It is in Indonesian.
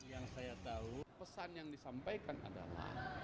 yang saya tahu pesan yang disampaikan adalah